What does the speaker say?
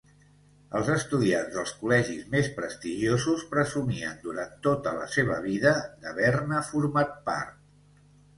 Els estudiants dels col·legis més prestigiosos presumien durant tota la seva vida d'haver-ne format part.